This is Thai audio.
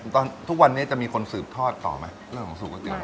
เพราะทุกวันนี้มีคนสืบทอดเหรอ